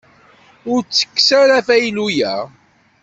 Ur ttekkes ara afaylu-ya.